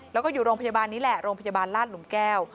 แล้วก็อยู่โรงพยาบาลนี้แหละโรงพยาบาลลาดหลุมแก้ว